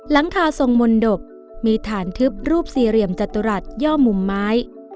หลังคาทรงมนตบมีฐานทึบรูปสี่เหลี่ยมจตุรัสย่อมุมไม้